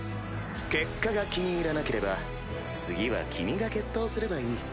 結果が気に入らなければ次は君が決闘すればいい。